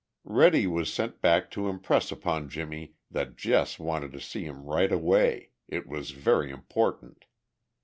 Reddy was sent back to impress upon Jimmie that Jess wanted to see him right away—it was very important.